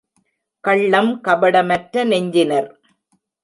கள்ளம் கபடமற்ற நெஞ்சினர்.